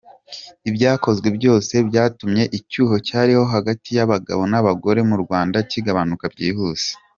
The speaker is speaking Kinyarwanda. Ibyakozwe byose byatumye icyuho cyariho hagati y’abagabo n’abagore mu Rwanda kigabanuka byihuse.